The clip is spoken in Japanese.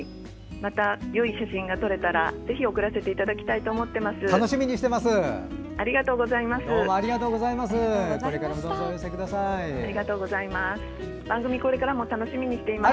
また、いい写真が撮れたらぜひ送らせていただきたいと楽しみにしています！